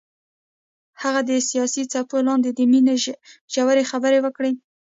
هغوی د حساس څپو لاندې د مینې ژورې خبرې وکړې.